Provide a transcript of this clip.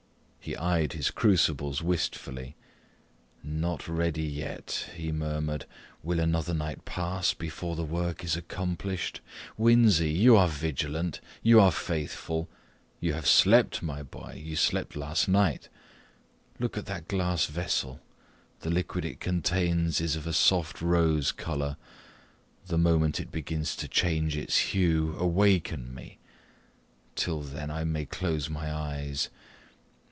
He eyed his crucibles wistfully. "Not ready yet," he murmured; "will another night pass before the work is accomplished? Winzy, you are vigilant you are faithful you have slept, my boy you slept last night. Look at that glass vessel. The liquid it contains is of a soft rose colour: the moment it begins to change its hue, awaken me till then I may close my eyes.